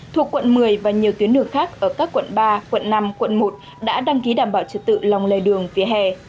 thuộc quận một mươi và nhiều tuyến đường khác ở các quận ba quận năm quận một đã đăng ký đảm bảo trật tự lòng lề đường phía hè